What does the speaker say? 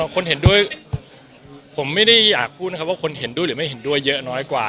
คนเห็นด้วยผมไม่ได้อยากพูดนะครับว่าคนเห็นด้วยหรือไม่เห็นด้วยเยอะน้อยกว่า